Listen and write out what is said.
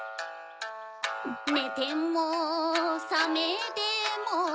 ねてもさめても